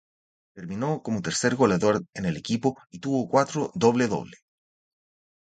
Terminó como tercer goleador en el equipo y tuvo cuatro doble-doble.